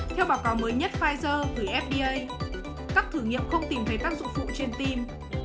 theo báo cáo mới nhất pfizer gửi fda các thử nghiệm không tìm thấy tác dụng phụ trên tim